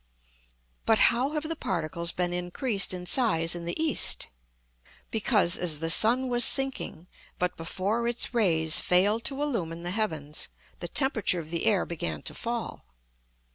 But how have the particles been increased in size in the east? Because, as the sun was sinking, but before its rays failed to illumine the heavens, the temperature of the air began to fall.